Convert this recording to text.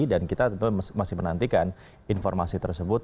dan kita tentu masih menantikan informasi tersebut